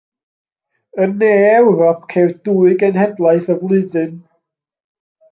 Yn ne Ewrop ceir dwy genhedlaeth y flwyddyn.